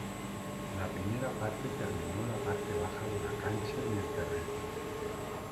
La primera parte terminó la parte baja de la cancha y el terreno.